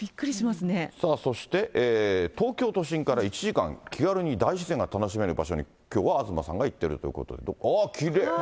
そして東京都心から１時間、気軽に大自然が楽しめる場所に東さんが行っているということで。